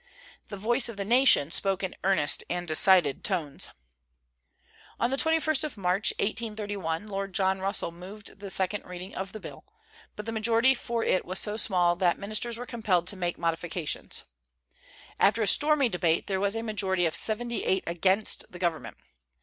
The voice of the nation spoke in earnest and decided tones. On the 21st of March, 1831, Lord John Russell moved the second reading of the bill; but the majority for it was so small that ministers were compelled to make modifications. After a stormy debate there was a majority of seventy eight against the government.